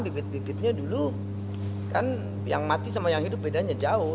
bibit bibitnya dulu kan yang mati sama yang hidup bedanya jauh